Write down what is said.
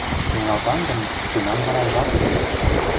Сеҥалтам гын, тунам вара жалке лиеш.